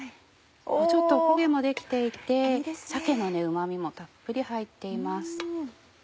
ちょっとお焦げも出来ていて鮭のうま味もたっぷり入っています。